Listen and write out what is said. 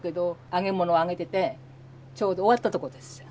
揚げ物揚げてて、ちょうど終わったところです。